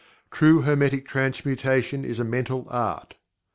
True Hermetic Transmutation is a Mental Art."